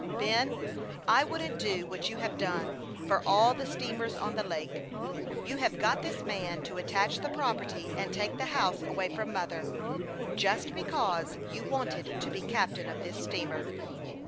" Ben, I wouldn't do what you have done for all the steamers on the lake. You have got this man to attach the property, and take the house away from mother, just because you wanted to be captain of this steamer."